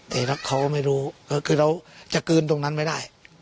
แต่เขาก็ไม่รู้ก็คือเราจะกลืนตรงนั้นไม่ได้